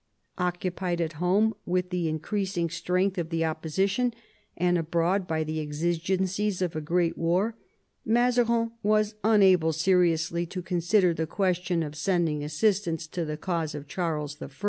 Occupied at home by the increasing strength of the opposition, and abroad by the exigencies of a great war, Mazarin was unable seriously to consider the question of sending assistance to the cause of Charles I.